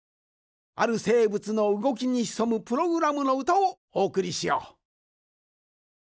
あるせいぶつのうごきにひそむプログラムのうたをおおくりしよう。